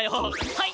はい。